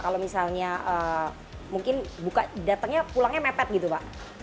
kalau misalnya mungkin datangnya pulangnya mepet gitu pak